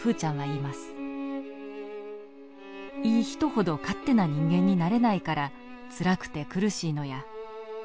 「いい人ほど勝手な人間になれないからつらくて苦しいのや。